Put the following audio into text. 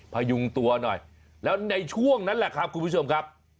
พยุงตัวหน่อยแล้วในช่วงนั้นแหละครับคุณผู้ชมครับ